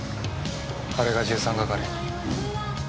あれが１３係。